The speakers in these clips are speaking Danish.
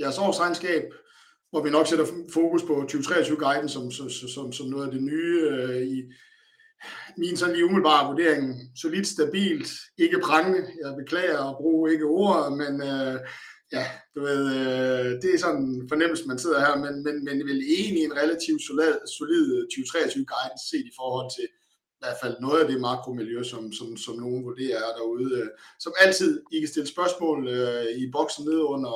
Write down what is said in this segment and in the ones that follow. Jeres årsregnskab, hvor vi nok sætter fokus på 2023 guiden som noget af det nye i min sådan lige umiddelbare vurdering. Solidt, stabilt, ikke prangende. Jeg beklager at bruge ikke ordet, men ja, du ved, det er sådan en fornemmelse man sidder her med. Vel egentlig en relativ solid 2023 guide set i forhold til i hvert fald noget af det makromiljø, som nogle vurderinger derude. Som altid I kan stille spørgsmål i boksen nede under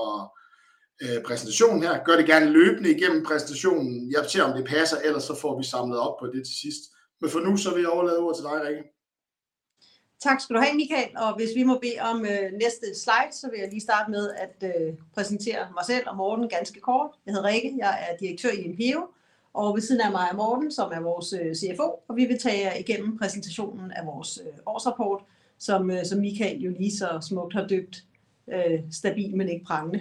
præsentationen her. Gør det gerne løbende igennem præsentationen. Jeg ser om det passer. Ellers så får vi samlet op på det til sidst. For nu så vil jeg overlade ordet til dig Rikke. Tak skal du have Michael. Hvis vi må bede om næste slide, så vil jeg lige starte med at præsentere mig selv og Morten ganske kort. Jeg hedder Rikke. Jeg er direktør i Impero og ved siden af mig og Morten, som er vores CFO og vi vil tage jer igennem præsentationen af vores årsrapport, som som Michael jo lige så smukt har døbt stabil, men ikke prangende.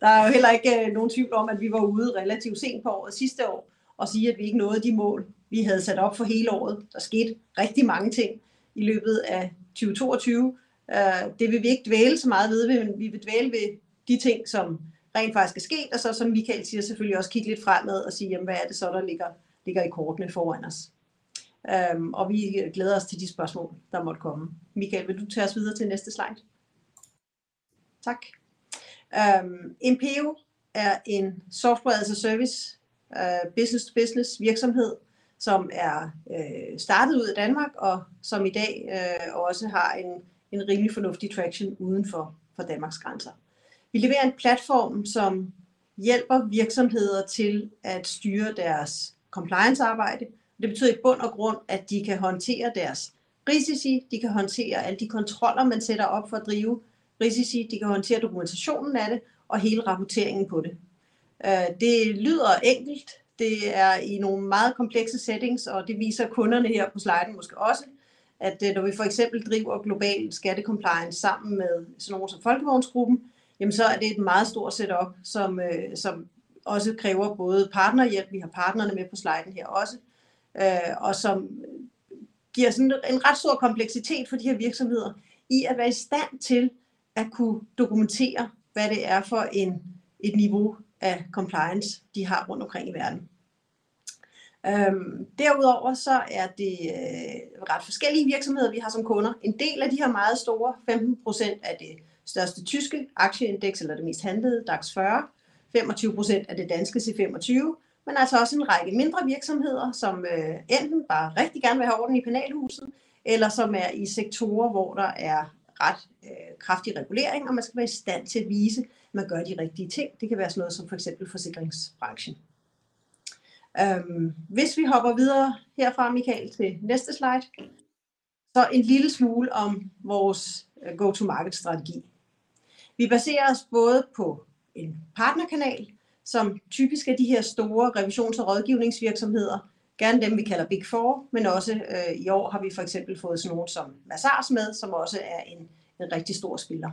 Der er jo heller ikke nogen tvivl om, at vi var ude relativt sent på året sidste år og sige, at vi ikke nåede de mål, vi havde sat op for hele året. Der skete rigtig mange ting i løbet af 2022. Det vil vi ikke dvæle så meget ved, men vi vil dvæle ved de ting, som rent faktisk er sket. Som Michael siger, selvfølgelig også kigge lidt fremad og sige jamen hvad er det så, der ligger i kortene foran os, og vi glæder os til de spørgsmål, der måtte komme. Michael, vil du tage os videre til næste slide? Tak. Impero er en Software as a Service business-to-business virksomhed, som er startet ud i Danmark, og som i dag også har en rimelig fornuftig traktion uden for Danmarks grænser. Vi leverer en platform, som hjælper virksomheder til at styre deres compliance arbejde, og det betyder i bund og grund, at de kan håndtere deres risici. De kan håndtere alle de kontroller, man sætter op for at drive risici. De kan håndtere dokumentationen af det og hele rapporteringen på det. Det lyder enkelt. Det er i nogle meget komplekse settings, og det viser kunderne her på sliden. Når vi for eksempel driver global skatte compliance sammen med sådan nogle som Volkswagen Group, så er det et meget stort setup, som også kræver både partner help. Vi har partnerne med på sliden her også, som giver en ret stor kompleksitet for de her virksomheder i at være i stand til at kunne dokumentere, hvad det er for en et niveau af compliance de har rundt omkring i verden. Derudover er det ret forskellige virksomheder, vi har som kunder. En del af de her meget store. 15% af det største tyske aktieindeks eller det mest handlede DAX 40, 25% af det danske C25. Altså også en række mindre virksomheder, som enten bare rigtig gerne vil have orden i penalhuset, eller som er i sektorer, hvor der er ret kraftig regulering, og man skal være i stand til at vise, at man gør de rigtige ting. Det kan være sådan noget som for eksempel forsikringsbranchen. Hvis vi hopper videre herfra Michael til næste slide. En lille smule om vores go to market strategi. Vi baserer os både på en partner kanal, som typisk er de store revisions og rådgivningsvirksomheder, gerne dem vi kalder Big Four, men også i år har vi for eksempel fået sådan nogle som Mazars med, som også er en rigtig stor spiller.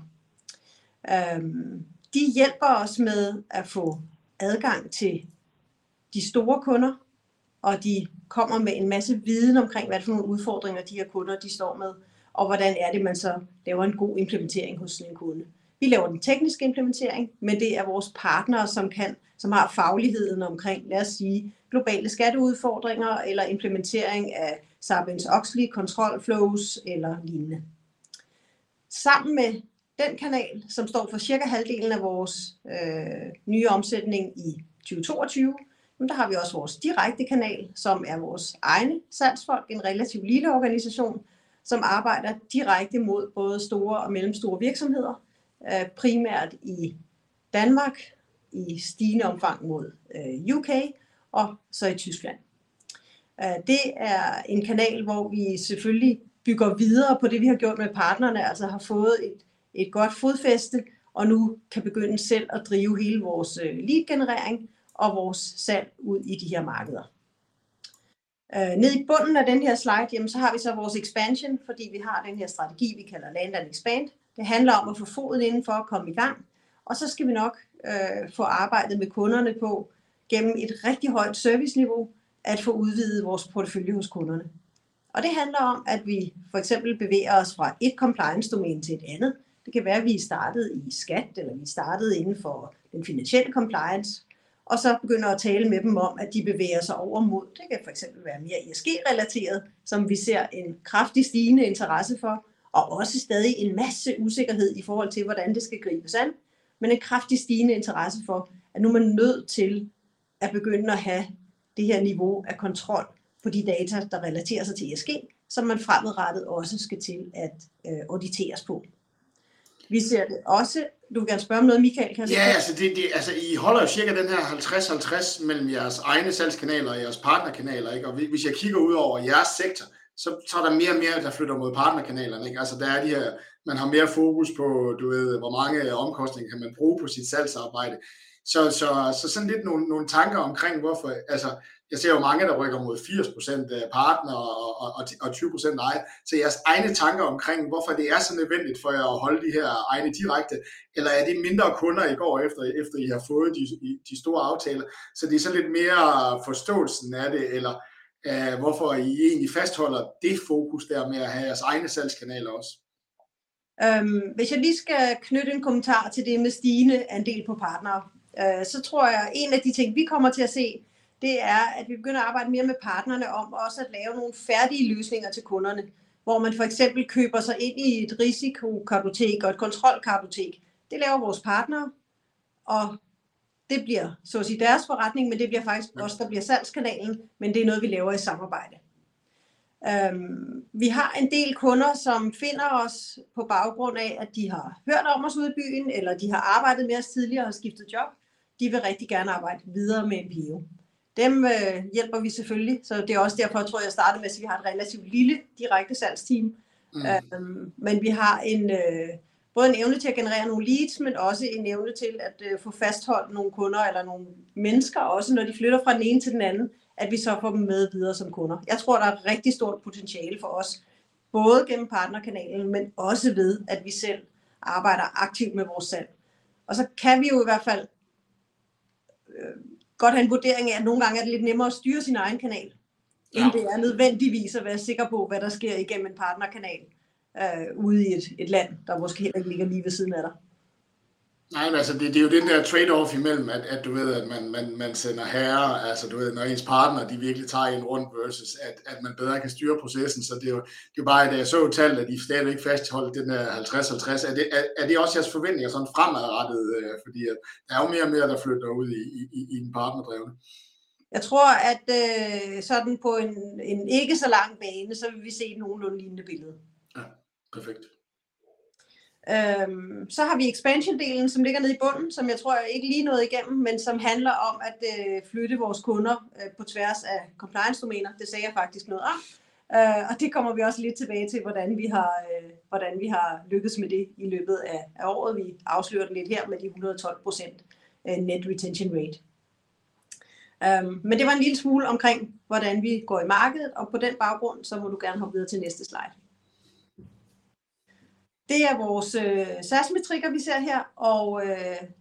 De hjælper os med at få adgang til de store kunder, og de kommer med en masse viden omkring hvad for nogle udfordringer de her kunder de står med. Hvordan er det, man så laver en god implementering hos en kunde? Vi laver den tekniske implementering, men det er vores partnere, som kan, som har fagligheden omkring lad os sige globale skatteudfordringer eller implementering af Sarbanes-Oxley kontrol flows eller lignende. Sammen med den kanal, som står for cirka halvdelen af vores nye omsætning i 2022. Der har vi også vores direkte kanal, som er vores egne salgsfolk. En relativ lille organisation, som arbejder direkte mod både store og mellemstore virksomheder, primært i Danmark, i stigende omfang mod UK og så i Tyskland. Det er en kanal, hvor vi selvfølgelig bygger videre på det, vi har gjort med partnerne, altså har fået et godt fodfæste og nu kan begynde selv at drive hele vores lead generering og vores salg ud i de her markeder. Ned i bunden af den her slide, jamen så har vi så vores expansion, fordi vi har den her strategi, vi kalder land and expand. Det handler om at få foden indenfor og komme i gang. Så skal we nok få arbejdet med kunderne på gennem et rigtig højt serviceniveau at få udvidet vores portefølje hos kunderne. Det handler om, at vi for eksempel bevæger os fra et compliance domæne til et andet. Det kan være, at vi er startet i skat, eller vi er startet inden for den finansielle compliance og så begynder at tale med dem om, at de bevæger sig over mod. Det kan for eksempel være mere ESG relateret, som vi ser en kraftig stigende interesse for, også stadig en masse usikkerhed i forhold til, hvordan det skal gribes an. En kraftig stigende interesse for, at nu er man nødt til at begynde at have det her niveau af kontrol på de data, der relaterer sig til ESG, som man fremadrettet også skal til at auditeres på. Vi ser det også. Du vil gerne spørge om noget, Michael? I holder jo cirka den her 50/50 mellem jeres egne salgskanaler og jeres partner kanaler. Hvis jeg kigger ud over jeres sektor, så er der mere og mere der flytter mod partner kanalerne. Der er de her. Man har mere fokus på hvor mange omkostninger kan man bruge på sit salgsarbejde. Sådan lidt nogle tanker omkring hvorfor. Jeg ser jo mange der rykker mod 80% partnere og 20% ej. Jeres egne tanker omkring hvorfor det er så nødvendigt for jer at holde de her egne direkte? Eller er det mindre kunder i går efter I har fået de store aftaler, så det er så lidt mere forståelsen af det eller hvorfor I egentlig fastholder det fokus der med at have jeres egne salgskanaler også? Hvis jeg lige skal knytte en kommentar til det med stigende andel på partnere, så tror jeg en af de ting vi kommer til at se, det er, at vi begynder at arbejde mere med partnerne om også at lave nogle færdige løsninger til kunderne, hvor man for eksempel køber sig ind i et risikokartotek og et kontrolkartotek. Det laver vores partnere, og det bliver så at sige deres forretning. Det bliver faktisk os, der bliver salgskanalen. Det er noget, vi laver i samarbejde. Vi har en del kunder, som finder os på baggrund af, at de har hørt om os ude i byen, eller de har arbejdet med os tidligere og skiftet job. De vil rigtig gerne arbejde videre med Impero. Dem hjælper vi selvfølgelig, så det er også derfor, tror jeg startede med at sige. Vi har et relativt lille direkte salgsteam, men vi har en både en evne til at generere nogle leads, men også en evne til at få fastholdt nogle kunder eller nogle mennesker, også når de flytter fra den ene til den anden. Vi så får dem med videre som kunder. Jeg tror, der er et rigtig stort potentiale for os både gennem partnerkanalen, men også ved at vi selv arbejder aktivt med vores salg. Kan vi jo i hvert fald, godt have en vurdering af, at nogle gange er det lidt nemmere at styre sin egen kanal, end det er nødvendigvis at være sikker på, hvad der sker igennem en partnerkanal ude i et land, der måske heller ikke ligger lige ved siden af dig. Nej, men det er jo det der trade-off imellem, at du ved, at man sender herrer. Altså du ved når ens partnere de virkelig tager en rund versus at man bedre kan styre processen. Det er jo bare da jeg så tallet, at I stadigvæk fastholdt den der 50/50, er det? Er det også jeres forventninger sådan fremadrettet? Der er jo mere og mere der flytter ud i den partner drevne. Jeg tror, at sådan på en ikke så lang bane, så vil vi se et nogenlunde lignende billede. Ja, perfekt. Har vi expansion delen, som ligger nede i bunden, som jeg tror jeg ikke lige nåede igennem, men som handler om at flytte vores kunder på tværs af compliance domains. Det sagde jeg faktisk noget om, og det kommer vi også lidt tilbage til, hvordan vi har lykkedes med det i løbet af året. Vi afslører det lidt her med de 112% Net Retention Rate, men det var en lille smule omkring hvordan vi går i markedet og på den baggrund, så må du gerne hoppe videre til næste slide. Det er vores SaaS metrics vi ser her, og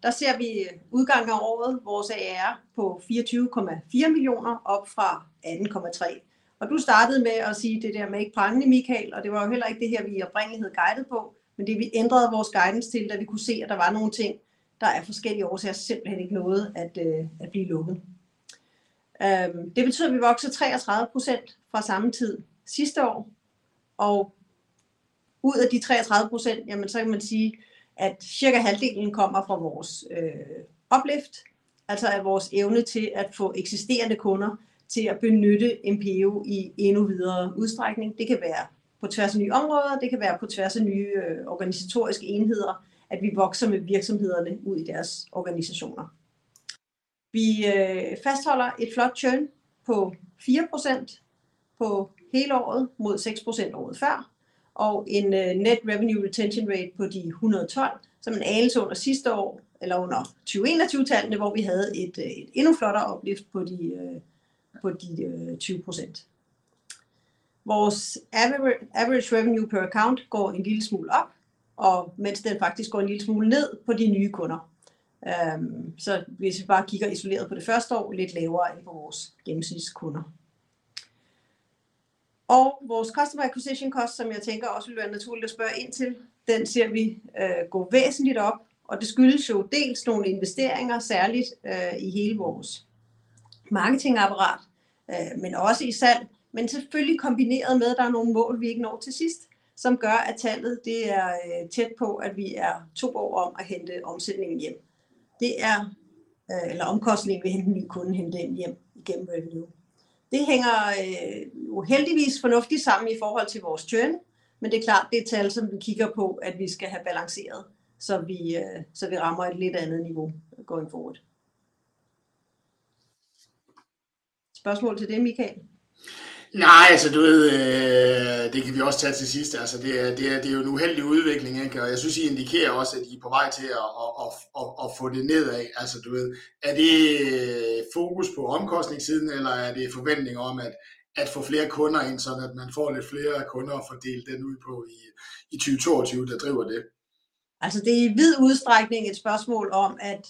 der ser vi udgangen af året. Vores ARR på DKK 24.4 million op fra DKK 2.3 million. Du startede med at sige det der med ikke prangende Michael. Det var jo heller ikke det her, vi oprindeligt havde guidet på, men det vi ændrede vores guidance til, da vi kunne se, at der var nogle ting, der af forskellige årsager simpelthen ikke nåede at blive lukket. Det betyder, at vi vokser 33% fra samme tid sidste år. Ud af de 33%, jamen så kan man sige, at cirka halvdelen kommer fra vores uplift, altså af vores evne til at få eksisterende kunder til at benytte Impero i endnu videre udstrækning. Det kan være på tværs af nye områder, det kan være på tværs af nye organisatoriske enheder, at vi vokser med virksomhederne ud i deres organisationer. Vi fastholder et flot churn på 4% på hele året mod 6% året før og en Net Retention Rate på de 112, som er en anelse under sidste år eller under 2021-tallene, hvor vi havde et endnu flottere opløft på de 20%. Vores average revenue per account går en lille smule op, og mens den faktisk går en lille smule ned på de nye kunder. Hvis vi bare kigger isoleret på det første år, lidt lavere end på vores gennemsnits kunder. Vores customer acquisition cost, som jeg tænker også ville være naturligt at spørge ind til, den ser vi gå væsentligt op, og det skyldes jo dels nogle investeringer, særligt i hele vores marketing apparatus, men også i salg, selvfølgelig kombineret med at der er nogle mål, vi ikke når til sidst, som gør, at tallet er tæt på, at vi er 2 år om at hente omsætningen hjem. Eller omkostningen ved at hente en ny kunde ind hjem igennem revenue. Det hænger jo heldigvis fornuftigt sammen i forhold til vores churn. Det er klart, at det er et tal, som vi kigger på, at vi skal have balanceret, så vi rammer et lidt andet niveau going forward. Spørgsmål til det Michael? Nej, altså du ved, det kan vi også tage til sidst. Altså det er jo en uheldig udvikling, og jeg synes I indikerer også, at I er på vej til at få det nedad. Altså, du ved. Er det fokus på omkostningssiden, eller er det forventninger om at få flere kunder ind, sådan at man får lidt flere kunder at fordele den ud på i 2022, der driver det? Det er i vid udstrækning et spørgsmål om at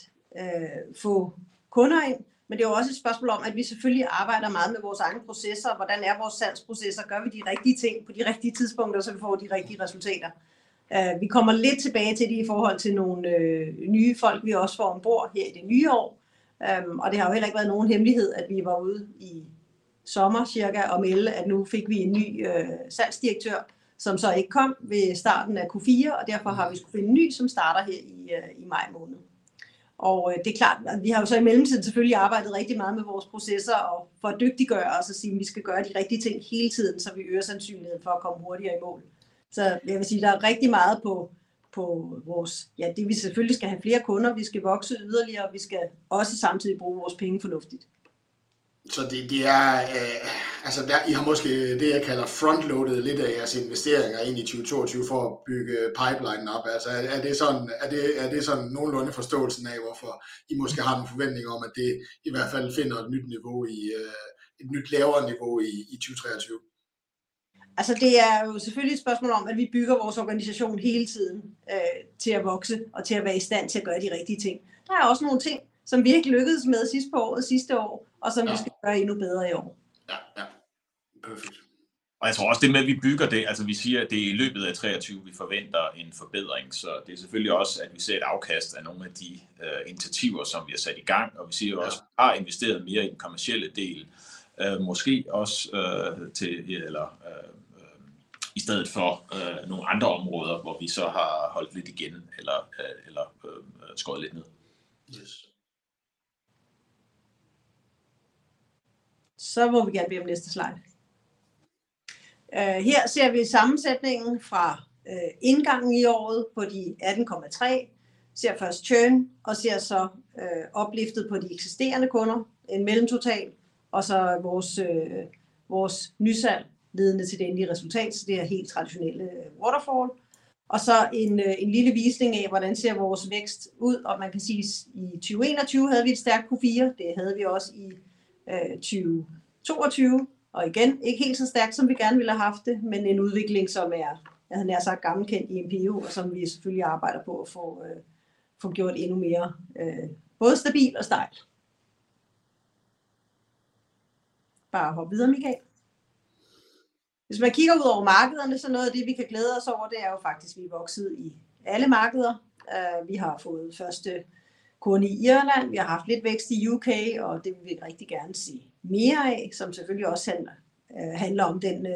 få kunder ind, men det er også et spørgsmål om, at vi selvfølgelig arbejder meget med vores egne processer. Hvordan er vores salgsprocesser? Gør vi de rigtige ting på de rigtige tidspunkter, så vi får de rigtige resultater. Vi kommer lidt tilbage til det i forhold til nogle nye folk, vi også får om bord her i det nye år, og det har jo heller ikke været nogen hemmelighed, at vi var ude i sommer cirka og melde, at nu fik vi en ny salgsdirektør, som så ikke kom ved starten af Q4, og derfor har vi skullet finde en ny, som starter her i May. Det er klart, vi har jo så i mellemtiden selvfølgelig arbejdet rigtig meget med vores processer og for at dygtiggøre os og sige, at vi skal gøre de rigtige ting hele tiden, så vi øger sandsynligheden for at komme hurtigere i mål. Jeg vil sige, at der er rigtig meget på vores. Ja, det vi selvfølgelig skal have flere kunder. Vi skal vokse yderligere, og vi skal også samtidig bruge vores penge fornuftigt. I har måske det jeg kalder frontloaded lidt af jeres investeringer ind i 2022 for at bygge pipelinen op. Er det sådan. Er det sådan nogenlunde forståelsen af, hvorfor I måske har en forventning om, at det i hvert fald finder et nyt niveau i et nyt lavere niveau i 2023? Altså, det er jo selvfølgelig et spørgsmål om, at vi bygger vores organisation hele tiden til at vokse og til at være i stand til at gøre de rigtige ting. Der er også nogle ting, som vi ikke lykkedes med sidst på året sidste år, og som vi skal gøre endnu bedre i år. Perfekt. Jeg tror også det med at vi bygger det. Altså vi siger, at det er i løbet af 2023 vi forventer en forbedring. Det er selvfølgelig også, at vi ser et afkast af nogle af de initiativer, som vi har sat i gang. Vi siger jo også, at vi har investeret mere i den kommercielle del, måske også til eller i stedet for nogle andre områder, hvor vi så har holdt lidt igen eller eller skåret lidt ned. Yes. Må vi gerne bede om næste slide. Her ser vi sammensætningen fra indgangen i året på de 18.3. Ser først churn og ser så upliftet på de eksisterende kunder. En mellemtotal og så vores nysalg ledende til det endelige resultat. Det er helt traditionelle Waterfall og så en lille visning af hvordan ser vores vækst ud. Man kan sige i 2021 havde vi et stærkt Q4. Det havde vi også i 2022. Igen ikke helt så stærkt som vi gerne ville have haft det. En udvikling som er jeg havde nær sagt gammelkendt i NPO, og som vi selvfølgelig arbejder på at få gjort endnu mere både stabil og stejl. Bare hop videre Michael. Hvis man kigger ud over markederne, så noget af det vi kan glæde os over, det er jo faktisk, at vi er vokset i alle markeder. Vi har fået 1st kunde i Irland. Vi har haft lidt vækst i UK, og det vil vi rigtig gerne se mere af, som selvfølgelig også handler om den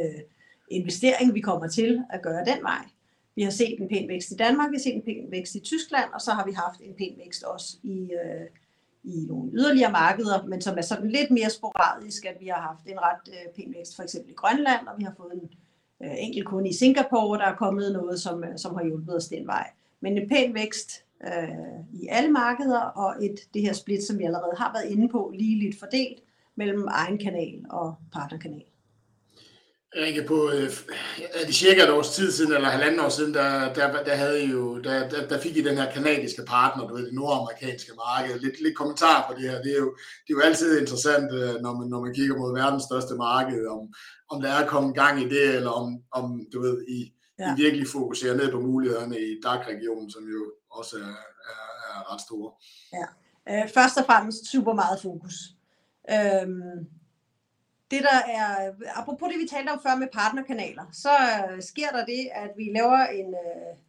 investering vi kommer til at gøre den vej. Vi har set en pæn vækst i Denmark. Vi har set en pæn vækst i Germany, og så har vi haft en pæn vækst også i nogle yderligere markeder, men som er sådan lidt mere sporadisk, at vi har haft en ret pæn vækst for eksempel i Greenland, og vi har fået 1 customer i Singapore, og der er kommet noget, som har hjulpet os den vej. En pæn vækst i alle markeder og et det her split, som vi allerede har været inde på, ligeligt fordelt mellem egen kanal og partnerkanal. Rikke på er det cirka 1 års tid siden eller 1.5 år siden der havde I jo da fik i den her Canadian partner på det North American marked. Lidt kommentarer på det her. Det er jo altid interessant, når man kigger mod verdens største marked, om der er kommet gang i det, eller om I virkelig fokuserer ned på mulighederne i DACH region, som jo også er ret store. Ja, først og fremmest super meget fokus. Det der er apropos det vi talte om før med partnerkanaler, så sker der det, at vi laver en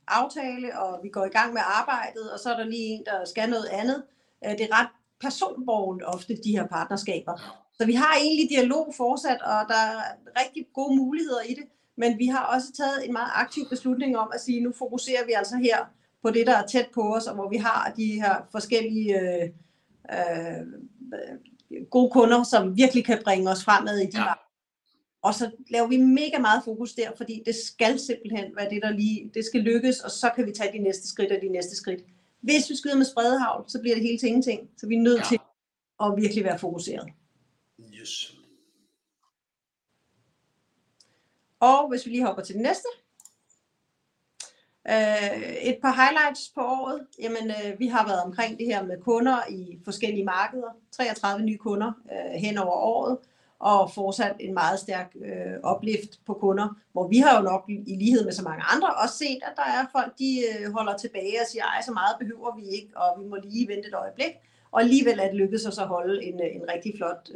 aftale, og vi går i gang med arbejdet, og så er der lige en der skal noget andet. Det er ret personbåret ofte de her partnerskaber, så vi har egentlig dialog fortsat, og der er rigtig gode muligheder i det. Men vi har også taget en meget aktiv beslutning om at sige nu fokuserer vi altså her på det, der er tæt på os, og hvor vi har de her forskellige. Gode kunder, som virkelig kan bringe os fremad i de markeder. Og så laver vi mega meget fokus der, fordi det skal simpelthen være det der lige det skal lykkes og så kan vi tage de næste skridt og de næste skridt. Hvis vi skyder med spredehagl, så bliver det hele til ingenting, så vi er nødt til at virkelig være fokuseret. Yes. Hvis vi lige hopper til den næste. Et par highlights på året. Jamen vi har været omkring det her med kunder i forskellige markeder. 33 nye kunder hen over året og fortsat en meget stærk uplift på kunder, hvor vi har jo nok i lighed med så mange andre også set, at der er folk de holder tilbage og siger ej, så meget behøver vi ikke, og vi må lige vente et øjeblik. Alligevel er det lykkedes os at holde en rigtig flot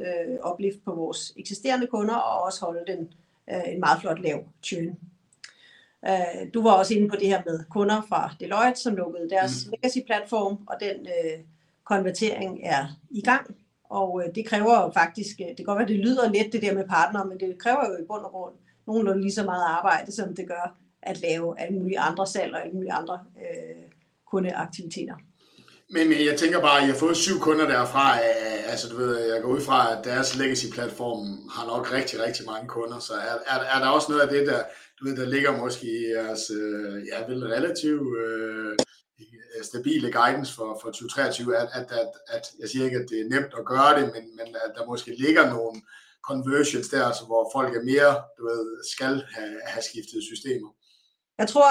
uplift på vores eksisterende kunder og også holde den en meget flot lav churn. Du var også inde på det her med kunder fra Deloitte, som lukkede deres legacy platform. Den konvertering er i gang, og det kræver jo faktisk det kan godt være det lyder let det der med partnere. Det kræver jo i bund og grund nogenlunde lige så meget arbejde, som det gør at lave alle mulige andre salg og alle mulige andre kunde aktiviteter. Jeg tænker bare, at I har fået 7 kunder derfra. Jeg går ud fra, at deres legacy platform har nok rigtig mange kunder. Så er der også noget af det der du ved, der ligger måske i jeres relative stabile guidance for 2023. Jeg siger ikke, at det er nemt at gøre det, men at der måske ligger nogle conversions der, hvor folk er mere du ved skal have skiftet systemer. Jeg tror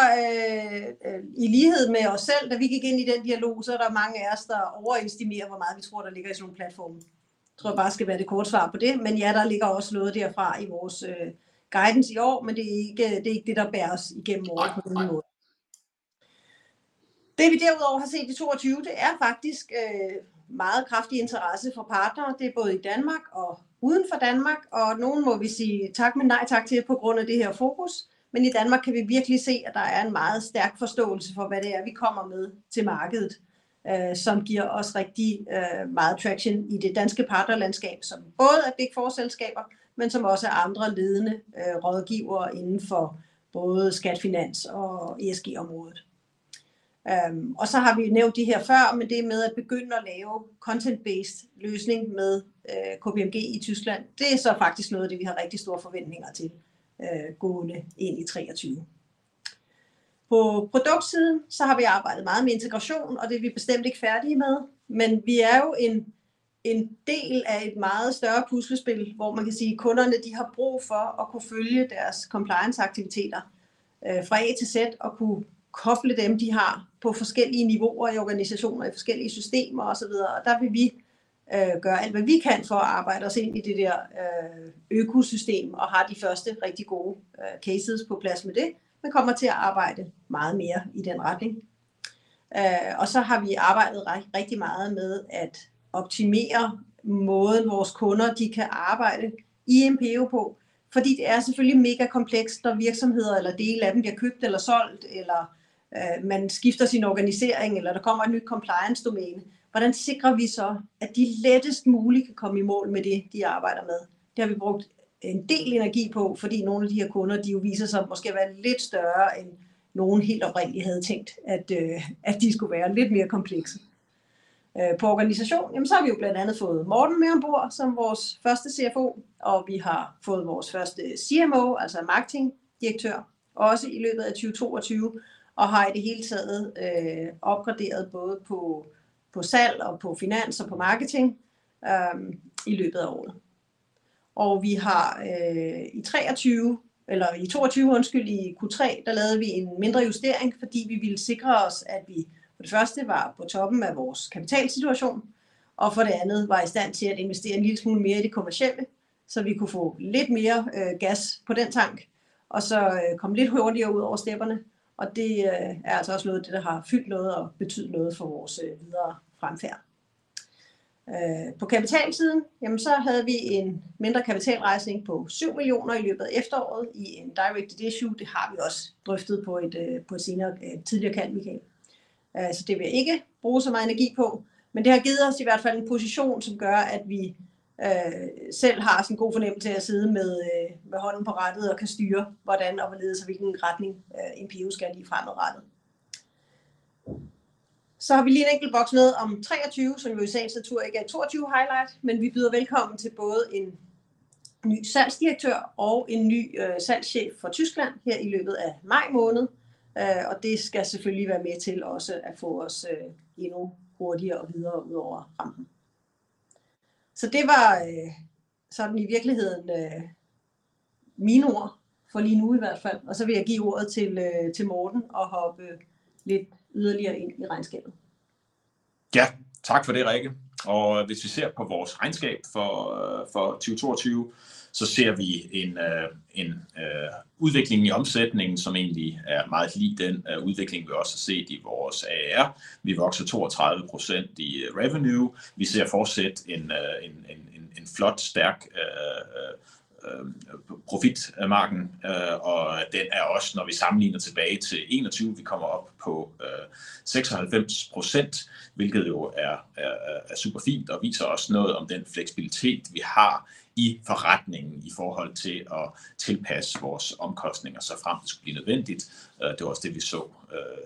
i lighed med os selv, da vi gik ind i den dialog, så er der mange af os, der overestimerer, hvor meget vi tror, der ligger i sådan nogle platforme. Tror jeg bare skal være det korte svar på det. Ja, der ligger også noget derfra i vores guidance i år. Det er ikke det, der bærer os igennem året på nogen måde. Det vi derudover har set i 2022, det er faktisk meget kraftig interesse fra partnere. Det er både i Danmark og uden for Danmark, nogle må vi sige tak men nej tak til på grund af det her fokus. I Danmark kan vi virkelig se, at der er en meget stærk forståelse for, hvad det er vi kommer med til markedet, som giver os rigtig meget attraction i det danske partner landskab, som både er Big Four selskaber, men som også er andre ledende rådgivere inden for både skat, finans og ESG området. Vi har nævnt de her før. Det med at begynde at lave content based løsning med KPMG i Tyskland, det er så faktisk noget af det, vi har rigtig store forventninger til gående ind i 2023. På produktsiden har vi arbejdet meget med integration, og det er vi bestemt ikke færdige med. Vi er jo en del af et meget større puslespil, hvor man kan sige kunderne har brug for at kunne følge deres compliance aktiviteter fra A til Z og kunne koble dem de har på forskellige niveauer i organisationen og i forskellige systemer og så videre. Vi vil gøre alt, hvad vi kan for at arbejde os ind i det der økosystem og har de første rigtig gode cases på plads med det. Vi kommer til at arbejde meget mere i den retning. Vi har arbejdet rigtig meget med at optimere måden vores kunder kan arbejde i Impero på. Det er selvfølgelig mega komplekst, når virksomheder eller dele af dem bliver købt eller solgt, eller man skifter sin organisering, eller der kommer et nyt compliance domæne. Hvordan sikrer vi så, at de lettest muligt kan komme i mål med det, de arbejder med? Det har vi brugt en del energi på, fordi nogle af de her kunder jo viser sig måske at være lidt større end nogen helt oprindeligt havde tænkt, at de skulle være lidt mere komplekse på organization. har vi jo blandt andet fået Morten med om bord som vores første CFO, og vi har fået vores første CMO, altså Marketing Director også i løbet af 2022 og har i det hele taget opgraderet både på salg og på finance og på marketing i løbet af året. vi har i 23 eller i 22 undskyld i Q3. Der lavede vi en mindre justering, fordi vi ville sikre os, at vi for det første var på toppen af vores kapitalsituation og for det andet var i stand til at investere en lille smule mere i det kommercielle, så vi kunne få lidt mere gas på den tank og så komme lidt hurtigere ud over stepperne. Det er altså også noget af det, der har fyldt noget og betydet noget for vores videre fremfærd på kapital siden. Vi havde en mindre kapitalrejsning på DKK 7 million i løbet af efteråret i en directed issue. Det har vi også drøftet på et senere tidligere kald. Michael. Det vil jeg ikke bruge så meget energi på. Det har givet os i hvert fald en position, som gør, at vi selv har en god fornemmelse af at sidde med hånden på rattet og kan styre hvordan og hvorledes og hvilken retning Impero skal i fremadrettet. Har vi lige en enkelt boks nede om 23, som jo i sagens natur ikke er 22 highlight. Vi byder velkommen til både en ny salgsdirektør og en ny salgschef for Tyskland her i løbet af maj måned. Det skal selvfølgelig være med til også at få os endnu hurtigere og videre ud over rampen. Det var sådan i virkeligheden mine ord for lige nu i hvert fald. Vil jeg give ordet til Morten og hoppe lidt yderligere ind i regnskabet. Tak for det Rikke. Hvis vi ser på vores regnskab for 2022, så ser we en udvikling i omsætningen, som egentlig er meget lig den udvikling vi også har set i vores ARR. Vi vokser 32% i revenue. Vi ser fortsat en flot stærk. Profitmarginen. Den er også, når vi sammenligner tilbage til 2021. Vi kommer op på 96%, hvilket jo er super fint og viser os noget om den fleksibilitet vi har i forretningen i forhold til at tilpasse vores omkostninger, såfremt det skulle blive nødvendigt. Det var også det, vi så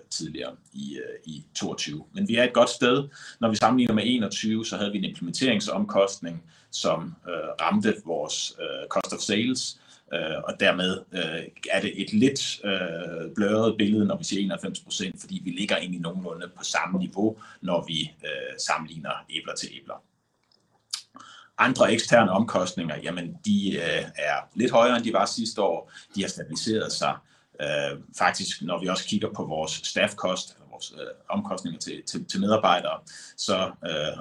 tidligere i 2022. Vi er et godt sted, når vi sammenligner med 2021. Vi havde en implementeringsomkostning, som ramte vores cost of sales og dermed er det et lidt blurred billede, når vi ser 91%, fordi vi ligger egentlig nogenlunde på samme niveau, når vi sammenligner æbler til æbler. Andre eksterne omkostninger jamen de er lidt højere, end de var sidste år. De har stabiliseret sig faktisk, når vi også kigger på vores staff cost vores omkostninger til medarbejdere, så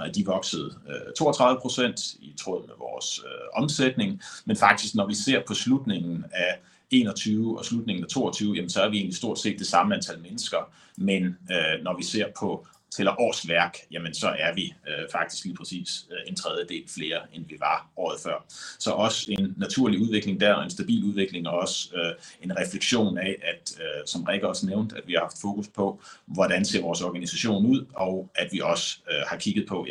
er de vokset 32% i tråd med vores omsætning. Faktisk når vi ser på slutningen af 2021 og slutningen af 2022, jamen så er vi egentlig stort set det samme antal mennesker. Når vi ser på tæller årsværk, jamen så er vi faktisk lige præcis en tredjedel flere, end vi var året før. Også en naturlig udvikling der og en stabil udvikling og også en refleksion af, at som Rikke også nævnte, at vi har haft fokus på, hvordan ser vores organisation ud, og at vi også har kigget på.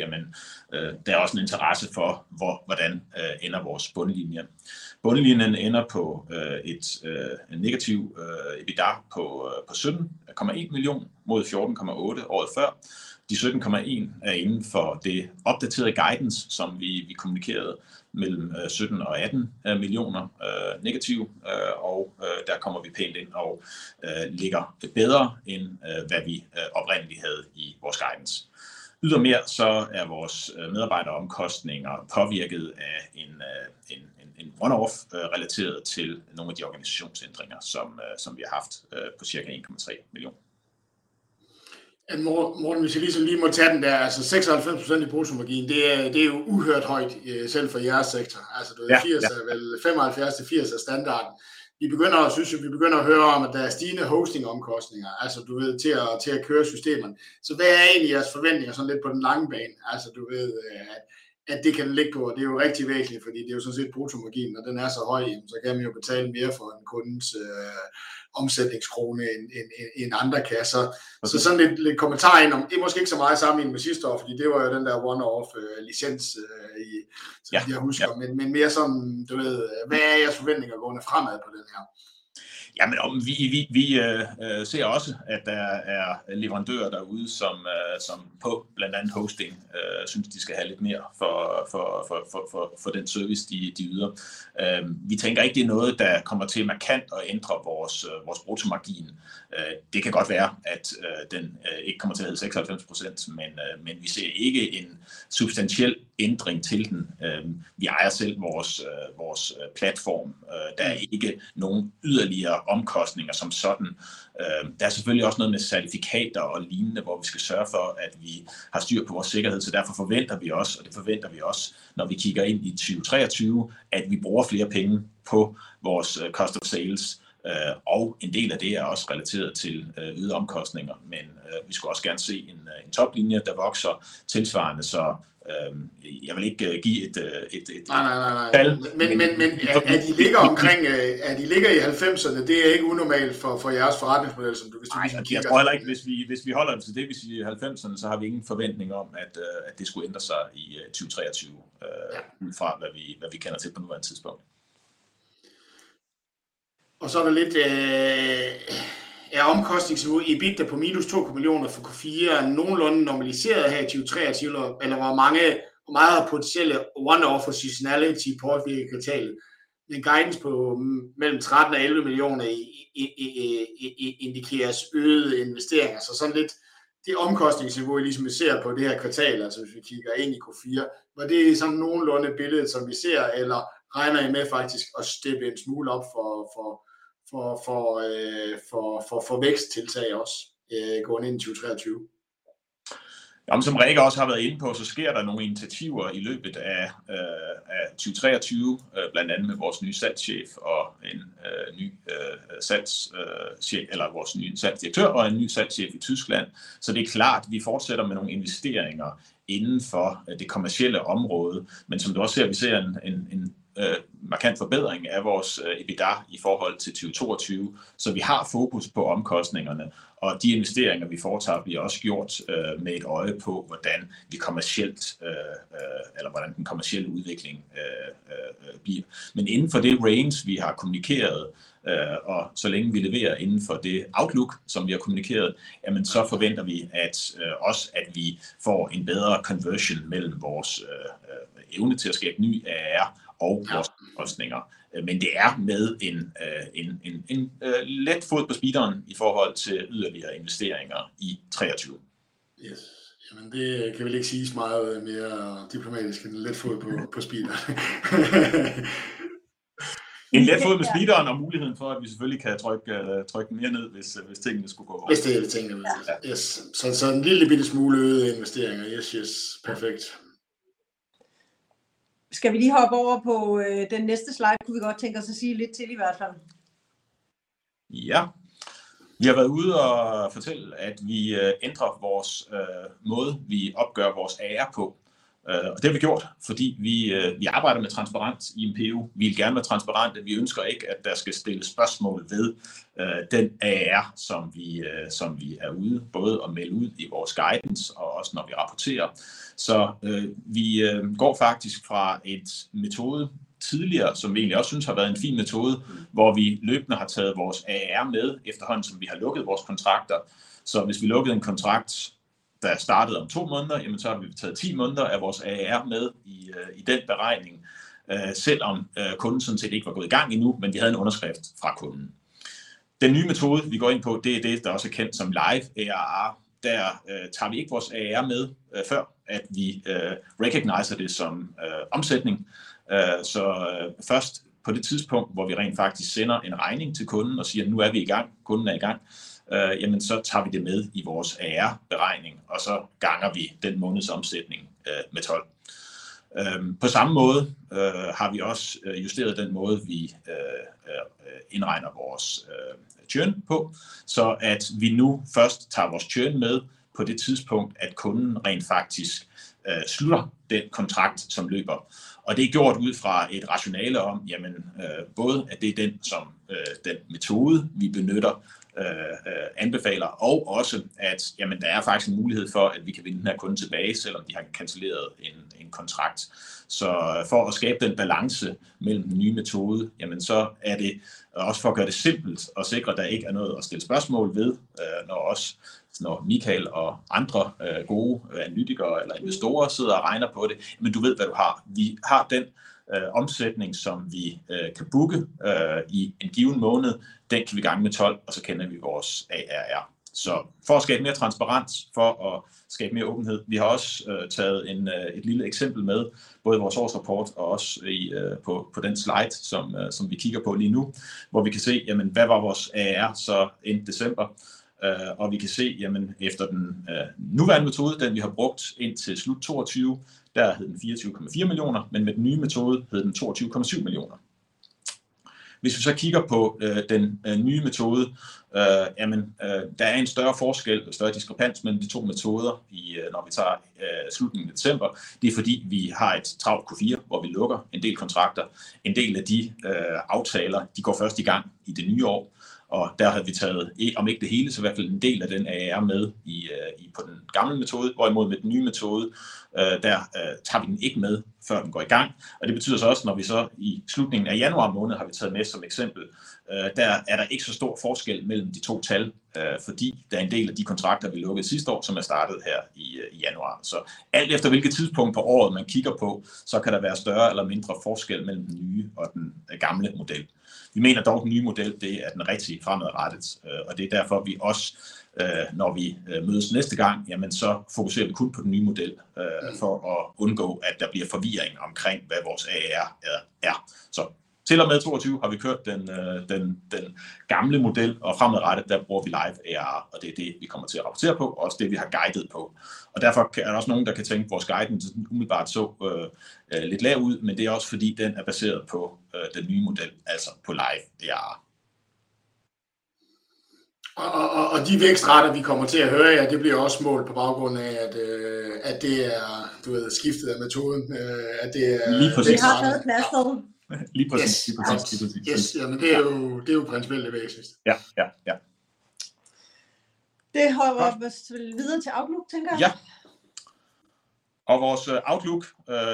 Der er også en interesse for hvor hvordan ender vores bundlinje? Bundlinjen ender på et negativt EBITDA på DKK 17.1 million mod DKK 14.8 året før. DKK 17.1 er inden for det opdaterede guidance, som vi kommunikerede mellem DKK 17 million-DKK 18 million negative, der kommer vi pænt ind og ligger bedre, end hvad vi oprindeligt havde i vores guidance. Ydermere er vores medarbejder omkostninger påvirket af en one of relateret til nogle af de organisationsændringer, som vi har haft på cirka DKK 1.3 million. Morten, hvis jeg lige må tage den der 96% i bruttomargin, det er jo uhørt højt, selv for jeres sektor. Du ved, 80 er vel 75-80 er standarden. Vi begynder at synes, at vi begynder at høre om, at der er stigende hosting omkostninger. Du ved til at køre systemerne. Hvad er egentlig jeres forventninger sådan lidt på den lange bane? Du ved, at det kan ligge på, og det er jo rigtig væsentligt, fordi det er jo sådan set bruttomargin, og den er så høj, så kan man jo betale mere for en kundens omsætningskrone end andre kan. Sådan lidt kommentar ind. Det er måske ikke så meget sammenlignet med sidste år, fordi det var jo den der one-off license, som jeg husker, men mere sådan du ved. Hvad er jeres forventninger gående fremad på den her? Vi ser også, at der er leverandører derude, som på blandt andet hosting synes de skal have lidt mere for den service de yder. Vi tænker ikke det er noget der kommer til markant at ændre vores bruttomargin. Det kan godt være, at den ikke kommer til at hedde 96%, men vi ser ikke en substantiel ændring til den. Vi ejer selv vores platform. Der er ikke nogen yderligere omkostninger som sådan. Der er selvfølgelig også noget med certifikater og lignende, hvor vi skal sørge for, at vi har styr på vores sikkerhed. Så derfor forventer vi også, og det forventer vi også, når vi kigger ind i 2023, at vi bruger flere penge på vores cost of sales, og en del af det er også relateret til ydre omkostninger. Vi skulle også gerne se en toplinje, der vokser tilsvarende. Jeg vil ikke give 1. At I ligger omkring at I ligger i 90s. Det er ikke unormalt for jeres forretningsmodel, som du kigger. Heller ikke hvis vi holder os til det vi siger i 90s, så har vi ingen forventning om, at det skulle ændre sig i 2023. Ud fra hvad vi kender til på nuværende tidspunkt. Der er lidt af omkostningsniveau i EBITDA på minus DKK 2 million for Q4 nogenlunde normaliseret her i 2023, eller hvor mange meget potentielle one offers seasonality påvirker kvartalet? En guidance på mellem DKK 13 million and DKK 11 million indikeres øgede investeringer, så sådan lidt det omkostningsniveau vi ser på det her kvartal. Altså hvis vi kigger ind i Q4, var det sådan nogenlunde billedet som vi ser, eller regner I med faktisk at steppe en smule op for væksttiltag også gående ind i 2023? Som Rikke også har været inde på, sker der nogle initiativer i løbet af 2023, blandt andet med vores nye salgschef og en ny salgschef eller vores nye salgsdirektør og en ny salgschef i Tyskland. Det er klart, vi fortsætter med nogle investeringer inden for det kommercielle område. Som du også ser, vi ser en markant forbedring af vores EBITDA i forhold til 2022. Vi har fokus på omkostningerne og de investeringer vi foretager. Bliver også gjort med et øje på, hvordan vi kommercielt eller hvordan den kommercielle udvikling bliver. Inden for det range vi har kommunikeret, og så længe vi leverer inden for det outlook, som vi har kommunikeret, forventer vi, at også at vi får en bedre conversion mellem vores evne til at skabe ny ARR og vores omkostninger. det er med en let fod på speederen i forhold til yderligere investeringer i 2023. Yes. Jamen det kan vel ikke siges meget mere diplomatisk end let fod på speederen. En let fod på speederen og muligheden for, at vi selvfølgelig kan trykke den mere ned, hvis tingene skulle gå. Hvis tingene. Yes. En lille bitte smule øgede investeringer. Yes, yes. Perfekt. Skal vi lige hoppe over på den næste slide? Kunne vi godt tænke os at sige lidt til i hvert fald. Ja, vi har været ude og fortælle, at vi ændrer vores måde vi opgør vores ARR på, og det har vi gjort, fordi vi vi arbejder med transparens i MP. Vi vil gerne være transparente. Vi ønsker ikke, at der skal stilles spørgsmål ved den ARR, som vi, som vi er ude både at melde ud i vores guidance, og også når vi rapporterer. Så vi går faktisk fra et metode tidligere, som vi egentlig også synes har været en fin metode, hvor vi løbende har taget vores ARR med, efterhånden som vi har lukket vores kontrakter. Så hvis vi lukkede en kontrakt, der startede om to måneder, jamen så har vi taget ti måneder af vores ARR med i den beregning, selvom kunden sådan set ikke var gået i gang endnu. Men vi havde en underskrift fra kunden. Den nye metode vi går ind på, det er det, der også er kendt som Live ARR. Tager vi ikke vores ARR med før, at vi recognize det som omsætning. Først på det tidspunkt, hvor vi rent faktisk sender en regning til kunden og siger nu er vi i gang, kunden er i gang, jamen så tager vi det med i vores ARR beregning, og så ganger vi den måneds omsætning med 12. På samme måde har vi også justeret den måde, vi indregner vores churn på, så at vi nu først tager vores churn med på det tidspunkt, at kunden rent faktisk slutter den kontrakt, som løber. Det er gjort ud fra et rationale om, både at det er den, som den metode vi benytter anbefaler, og også at der er faktisk en mulighed for, at vi kan vinde den her kunde tilbage, selvom de har canceled en kontrakt. For at skabe den balance mellem den nye metode, er det også for at gøre det simple og sikre, at der ikke er noget at stille spørgsmål ved. Når Michael og andre gode analytikere eller investorer sidder og regner på det. Du ved, hvad du har. Vi har den omsætning, som vi kan booke i en given måned. Den kan vi gange med 12, og så kender vi vores ARR. For at skabe mere transparens, for at skabe mere åbenhed. Vi har også taget et lille eksempel med både i vores årsrapport og også i på den slide, som vi kigger på lige nu, hvor vi kan se hvad var vores ARR så ind December og vi kan se efter den nuværende metode, den vi har brugt indtil slut 2022. Der hed den DKK 24.4 million, men med den nye metode hed den DKK 22.7 million. Hvis vi så kigger på den nye metode, der er en større forskel større diskrepans mellem de to metoder i når vi tager slutningen af December. Det er fordi vi har et travlt Q4, hvor vi lukker en del kontrakter. En del af de aftaler går først i gang i det nye år, der har vi taget om ikke det hele, så i hvert fald en del af den ARR med i på den gamle metode. Med den nye metode, der tager vi den ikke med før den går i gang. Det betyder så også, når vi så i slutningen af Januar måned har vi taget med som eksempel. Der er der ikke så stor forskel mellem de 2 tal, fordi der er en del af de kontrakter, vi lukkede sidste år, som er startet her i Januar. Alt efter hvilket tidspunkt på året man kigger på, så kan der være større eller mindre forskel mellem den nye og den gamle model. Vi mener dog, at den nye model er den rigtige fremadrettet, det er derfor vi også, når vi mødes næste gang. Fokuserer vi kun på den nye model for at undgå at der bliver forvirring omkring hvad vores ARR er. Til og med 2022 har vi kørt den gamle model og fremadrettet der bruger vi Live ARR, og det er det vi kommer til at rapportere på og også det vi har guidet på. Derfor er der også nogen der kan tænke vores guidance umiddelbart så lidt lav ud. Det er også fordi den er baseret på den nye model, altså på Live ARR. De vækstrater vi kommer til at høre jer, det bliver også målt på baggrund af at det er du ved skiftet af metoden. Lige præcis. Lige præcis. Det er jo principielt det væsentligste. Ja ja ja. Det hopper vi videre til Outlook, tænker jeg. Vores outlook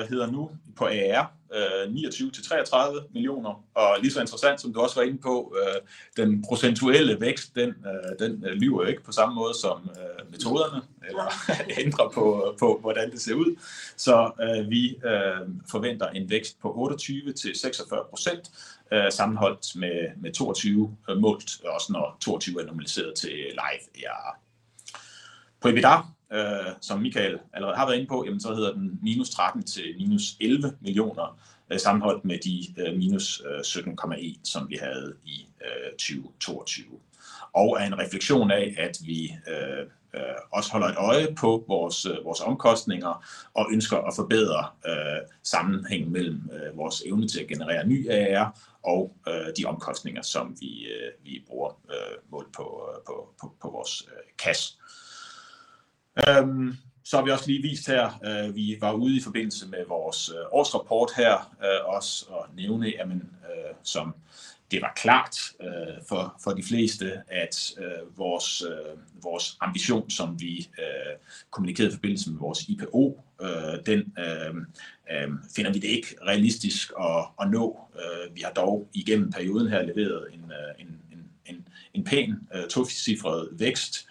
hedder nu på ARR DKK 29 million-DKK 33 million. Lige så interessant, som du også var inde på den procentuelle vækst. Den lyver ikke på samme måde som metoderne eller ændrer på, hvordan det ser ud. Vi forventer en vækst på 28%-46% sammenholdt med 2022 målt også når 2022 er normaliseret til Live ARR på EBITDA, som Michael allerede har været inde på, jamen så hedder den -DKK 13 million--DKK 11 million sammenholdt med de -DKK 17.1 million, som vi havde i 2022, og er en refleksion af, at vi også holder et øje på vores omkostninger og ønsker at forbedre sammenhængen mellem vores evne til at generere ny ARR og de omkostninger, som vi bruger målt på vores cash. Vi har også lige vist her vi var ude i forbindelse med vores årsrapport her også at nævne, jamen som det var klart for de fleste, at vores ambition, som vi kommunikerede i forbindelse med vores IPO. Den finder vi det ikke realistisk at nå. Vi har dog igennem perioden her leveret en pæn tocifret vækst,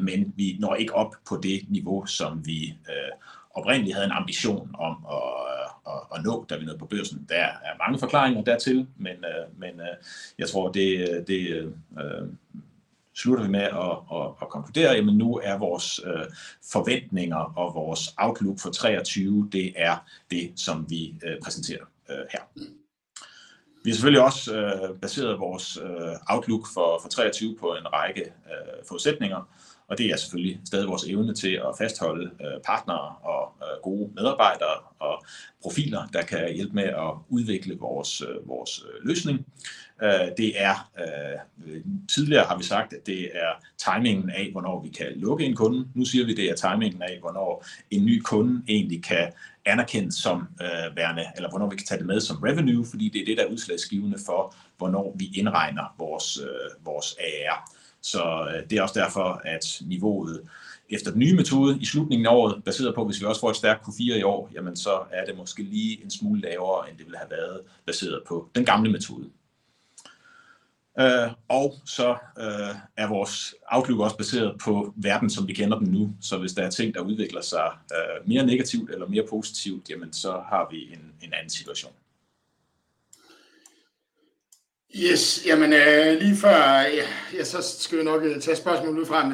men vi når ikke op på det niveau, som vi oprindeligt havde en ambition om at nå, da vi nåede på børsen. Der er mange forklaringer dertil. Jeg tror, det slutter vi med at konkludere. Nu er vores forventninger og vores outlook for 2023. Det er det, som vi præsenterer her. Vi har selvfølgelig også baseret vores outlook for 2023 på en række forudsætninger, og det er selvfølgelig stadig vores evne til at fastholde partnere og gode medarbejdere og profiler, der kan hjælpe med at udvikle vores løsning. Det er tidligere har vi sagt, at det er timingen af, hvornår vi kan lukke en kunde. Nu siger vi, det er timingen af, hvornår en ny kunde egentlig kan anerkendes som værende, eller hvornår vi kan tage det med som revenue, fordi det er det, der er udslagsgivende for, hvornår vi indregner vores ARR. Det er også derfor, at niveauet efter den nye metode i slutningen af året baseret på, at hvis vi også får et stærkt Q4 i år, jamen så er det måske lige en smule lavere, end det ville have været baseret på den gamle metode. Vores outlook også baseret på verden, som vi kender den nu. Hvis der er ting, der udvikler sig mere negativt eller mere positivt, jamen så har vi en anden situation. Yes. Lige før, ja, så skal jeg nok tage spørgsmål derudfra.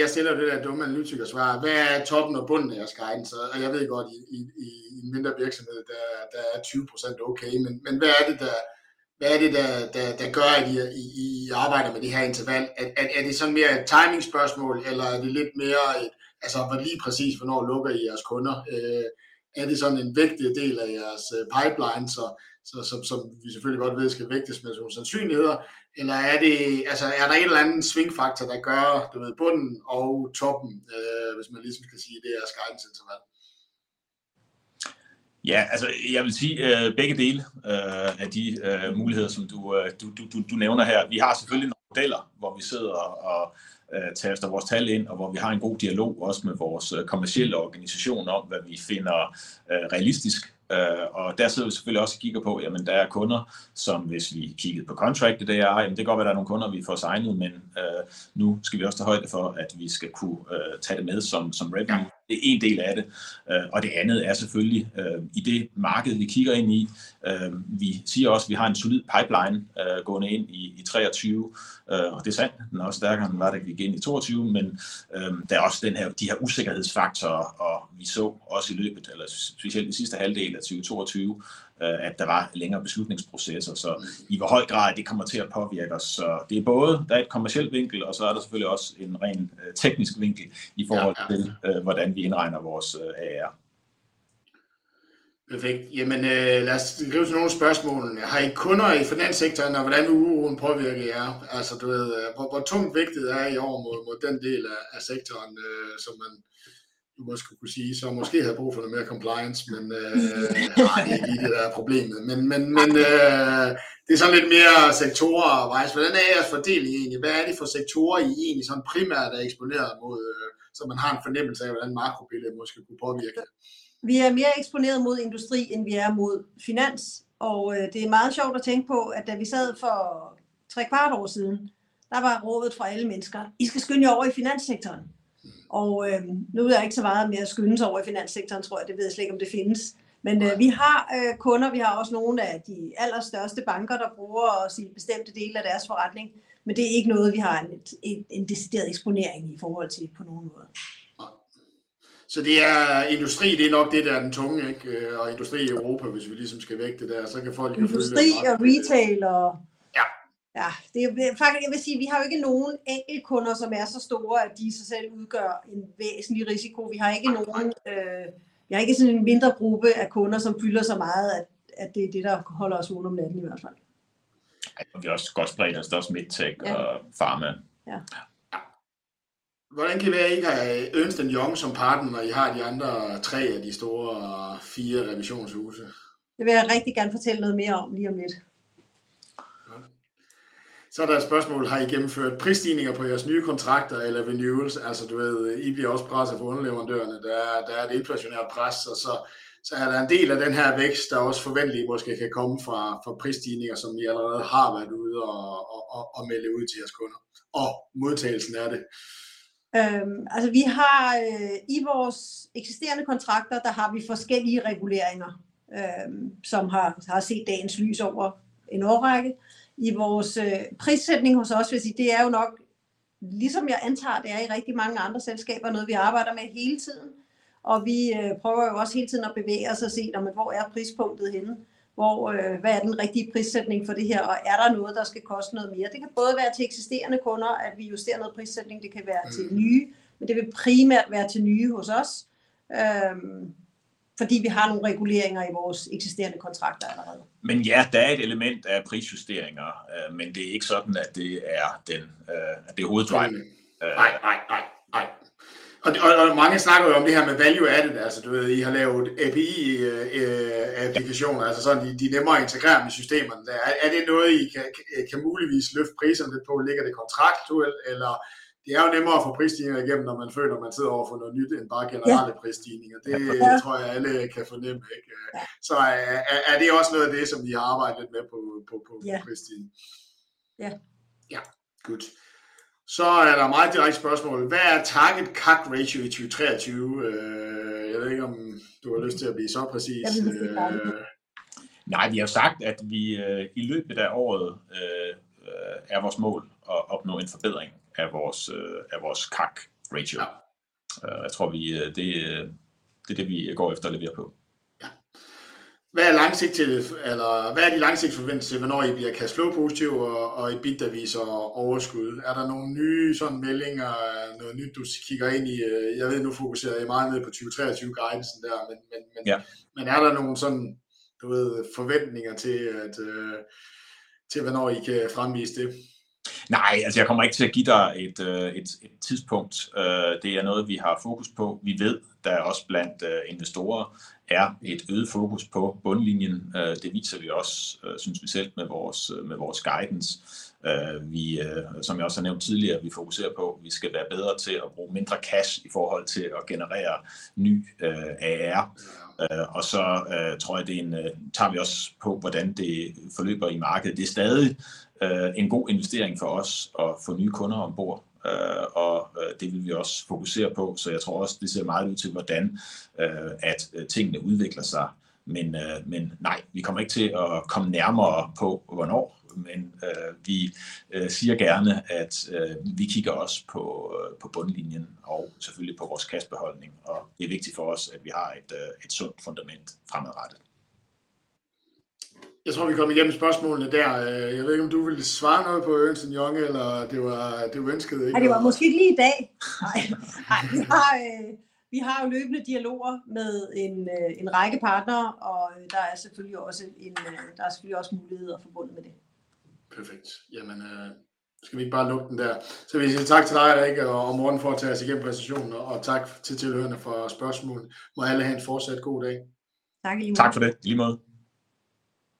Jeg stiller det der dumme analytiker svar. Hvad er toppen og bunden af jeres guidance? Jeg ved godt, i en mindre virksomhed der er 20% okay, men hvad er det der? Hvad er det der gør, at I arbejder med det her interval? Er det sådan mere et timing spørgsmål, eller er det lidt mere, altså, lige præcis hvornår lukker I jeres kunder? Er det sådan en vægtet del af jeres pipeline? Som vi selvfølgelig godt ved, skal vægtes med nogle sandsynligheder. Er det, altså, er der en eller anden svingfaktor, der gør, du ved, bunden og toppen, hvis man ligesom kan sige det, er jeres guidance interval? Ja, altså jeg vil sige begge dele af de muligheder som du nævner her. Vi har selvfølgelig nogle modeller, hvor vi sidder og taster vores tal ind, og hvor vi har en god dialog også med vores kommercielle organisation om, hvad vi finder realistisk. Der sidder vi selvfølgelig også og kigger på. Jamen der er kunder, som hvis vi kiggede på kontrakten. Det kan godt være, der er nogle kunder, vi får signet, men nu skal vi også tage højde for, at vi skal kunne tage det med som revenue. Det er en del af det. Det andet er selvfølgelig i det marked, vi kigger ind i. Vi siger også, at vi har en solid pipeline gående ind i 2023, og det er sandt. Den er også stærkere, end den var, da vi gik ind i 2022. Der er også den her, de her usikkerhedsfaktorer, og vi så også i løbet eller specielt den sidste halvdel af 2022, at der var længere beslutningsprocesser. I hvor høj grad det kommer til at påvirke os. Det er både der er et kommercielt vinkel, og så er der selvfølgelig også en ren teknisk vinkel i forhold til hvordan vi indregner vores ARR. Perfekt. Lad os gå til nogle spørgsmål. Har I kunder i finanssektoren, og hvordan uroen påvirker jer? Altså du ved hvor tungt vægtet er i år mod den del af sektoren, som man måske kunne sige måske havde brug for noget mere compliance. I det der er problemet. Det er sådan lidt mere sektorer og hvordan er jeres fordeling egentlig? Hvad er det for sektorer I egentlig primært er eksponeret mod? Så man har en fornemmelse af, hvordan makrobillede måske kunne påvirke. Vi er mere eksponeret mod industri, end vi er mod finans, og det er meget sjovt at tænke på, at da vi sad for trekvart år siden, der var rådet fra alle mennesker I skal skynde jer over i finanssektoren, og nu er der ikke så meget med at skynde sig over i finanssektoren, tror jeg. Det ved jeg slet ikke, om det findes. Vi har kunder. Vi har også nogle af de allerstørste banker, der bruger os i bestemte dele af deres forretning, men det er ikke noget, vi har en decideret eksponering i forhold til på nogen måde. Det er industri. Det er nok det, der er den tunge og industri i Europa. Hvis vi ligesom skal vægte der, så kan folk jo følge. Industri og retail. Ja, ja, det er faktisk. Jeg vil sige, vi har jo ikke nogen enkeltkunder, som er så store, at de i sig selv udgør en væsentlig risiko. Vi har ikke nogen. Vi har ikke sådan en mindre gruppe af kunder, som fylder så meget, at det er det, der holder os vågen om natten i hvert fald. Vi er også godt spredt. Der står med tech og farma. Ja, hvordan kan det være, at I ikke har Ernst & Young som partner, når I har de andre tre af de store fire revisionshuse? Det vil jeg rigtig gerne fortælle noget mere om lige om lidt. Har I gennemført prisstigninger på jeres nye kontrakter eller renewal? Altså du ved, I bliver også presset på underleverandørerne. Der er et inflationært pres, og så er der en del af den her vækst, der også forventeligt måske kan komme fra prisstigninger, som I allerede har været ude og melde ud til jeres kunder. Modtagelsen af det. Altså vi har i vores eksisterende kontrakter, der har vi forskellige reguleringer, som har set dagens lys over en årrække i vores prissætning hos os. Det er jo nok ligesom jeg antager det er i rigtig mange andre selskaber, noget vi arbejder med hele tiden, og vi prøver jo også hele tiden at bevæge os og se hvor er pris punktet henne, hvor hvad er den rigtige prissætning for det her? Er der noget, der skal koste noget mere? Det kan både være til eksisterende kunder, at vi justerer noget prissætning. Det kan være til nye, det vil primært være til nye hos os, fordi vi har nogle reguleringer i vores eksisterende kontrakter allerede. Ja, der er et element af prisjusteringer, men det er ikke sådan, at det er den, det er hoveddrevet. Nej, nej, nej. Mange snakker jo om det her med value added. Altså du ved I har lavet API applications, sådan at de er nemmere at integrere med systemerne. Er det noget I kan muligvis løfte priserne lidt på? Ligger det kontraktuelt eller? Det er jo nemmere at få price increases igennem, når man føler, at man sidder ovenpå noget nyt end bare generelle price increases. Det tror jeg, alle kan fornemme, ikke? Er det også noget af det, som I har arbejdet lidt med på Christine? Ja. Ja. Godt. Der er meget direkte spørgsmål. Hvad er target CAC ratio i 2023? Jeg ved ikke, om du har lyst til at blive så præcis. Nej, vi har jo sagt, at vi i løbet af året er vores mål at opnå en forbedring af vores CAC ratio. Jeg tror vi det. Det er det, vi går efter at levere på. Ja. Hvad er langsigtet eller hvad er de langsigtede forventninger til, hvornår I bliver cash flow positive og EBIT, der viser overskud? Er der nogle nye sådan meldinger noget nyt du kigger ind i? Jeg ved nu fokuserer I meget mere på 2023 guiden, men. Er der nogle sådan du ved forventninger til hvornår I kan fremvise det? Nej, jeg kommer ikke til at give dig et tidspunkt. Det er noget, vi har fokus på. Vi ved da også blandt investorer er et øget fokus på bundlinjen. Det viser vi også, synes vi selv med vores guidance. Vi, som jeg også har nævnt tidligere, vi fokuserer på, at vi skal være bedre til at bruge mindre cash i forhold til at generere ny ARR. Tror jeg, det tager vi også på, hvordan det forløber i markedet. Det er stadig en god investering for os at få nye kunder om bord, og det vil vi også fokusere på. Jeg tror også, det ser meget ud til, hvordan tingene udvikler sig. Nej, vi kommer ikke til at komme nærmere på hvornår. Vi siger gerne, at vi kigger også på bundlinjen og selvfølgelig på vores cash beholdning. Det er vigtigt for os, at vi har et sundt fundament fremadrettet. Jeg tror, vi er kommet igennem spørgsmålene der. Jeg ved ikke, om du ville svare noget på Ernst & Young eller det var det du ønskede. Det var måske ikke lige i dag. Nej, nej, vi har jo løbende dialoger med en række partnere, og der er selvfølgelig også muligheder forbundet med det. Perfect. Jamen skal vi ikke bare lukke den der. Vil jeg sige tak til dig og Morten for at tage os igennem presentationen og tak til tilhørerne for spørgsmålene. Må alle have en fortsat god dag. Tak. Tak for det. I lige måde.